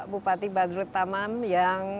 bupati badrut taman yang